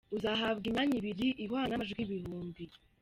uzahabwa imyanya ibiri ihwanye n’amajwi ibihumbi